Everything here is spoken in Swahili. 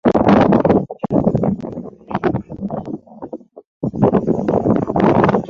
Ambako alikuwa mchezaji wa mashindano hayo na